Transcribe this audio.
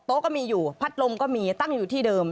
ก็มีอยู่พัดลมก็มีตั้งอยู่ที่เดิม